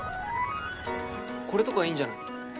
これとかいいんじゃない？